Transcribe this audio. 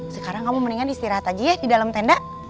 sekarang kamu mendingan istirahat aja ya di dalam tenda